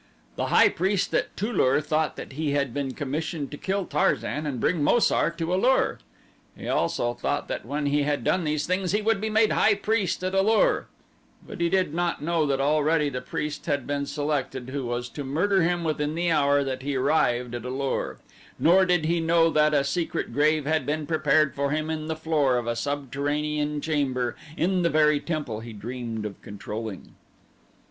The high priest at Tu lur thought that he had been commissioned to kill Tarzan and bring Mo sar to A lur. He also thought that when he had done these things he would be made high priest at A lur; but he did not know that already the priest had been selected who was to murder him within the hour that he arrived at A lur, nor did he know that a secret grave had been prepared for him in the floor of a subterranean chamber in the very temple he dreamed of controlling.